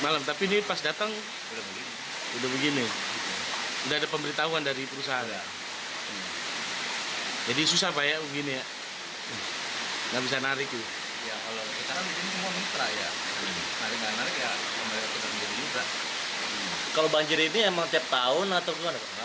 kalau banjir ini emang tiap tahun atau gimana